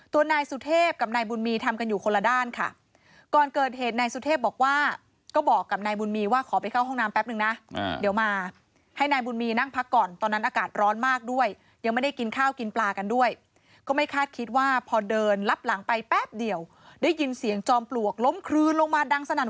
นายสุเทพกับนายบุญมีทำกันอยู่คนละด้านค่ะก่อนเกิดเหตุนายสุเทพบอกว่าก็บอกกับนายบุญมีว่าขอไปเข้าห้องน้ำแป๊บนึงนะเดี๋ยวมาให้นายบุญมีนั่งพักก่อนตอนนั้นอากาศร้อนมากด้วยยังไม่ได้กินข้าวกินปลากันด้วยก็ไม่คาดคิดว่าพอเดินลับหลังไปแป๊บเดียวได้ยินเสียงจอมปลวกล้มคลืนลงมาดังสนั่น